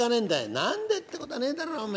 何でってことはねえだろうお前